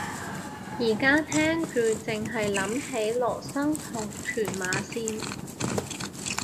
而家聽住剩係諗起羅生同屯馬綫